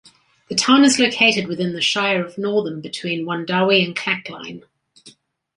The town is located within the Shire of Northam, between Wundowie and Clackline.